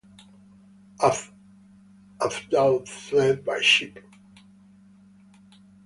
Al-Afdal fled by ship.